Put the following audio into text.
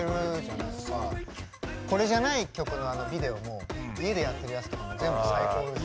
これじゃない曲のビデオも家でやってるやつとかも全部最高です。